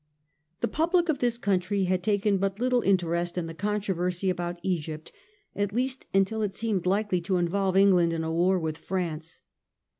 The public of this country had taken but little interest in the controversy about Egypt, at least until it seemed likely to involve England in a war with France.